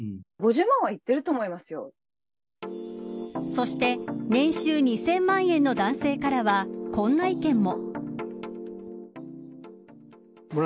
そして年収２０００万円の男性からはこんな意見も。